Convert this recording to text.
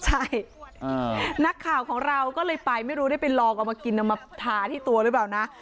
ใช่นักข่าวของเราก็เลยไปไม่รู้ได้ไปลองเอามากินเอามาทาที่ตัวหรือเปล่านะ